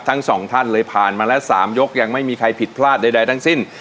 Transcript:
ทั้งสองท่านเลยผ่านมาแล้ว๓ยกยังไม่มีใครผิดพลาดใดทั้งสิ้น